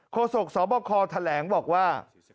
โศกสบคแถลงบอกว่า